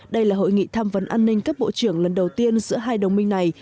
đây là hội nghị tham vấn an ninh cấp bộ trưởng lần đầu tiên giữa hai đồng minh này